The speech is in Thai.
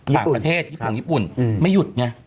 ฝั่งประเทศญี่ปุ่นไม่หยุด